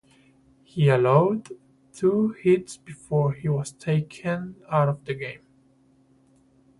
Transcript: He allowed two hits before he was taken out of the game.